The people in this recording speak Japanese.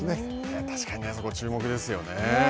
確かにね、そこ注目ですよね。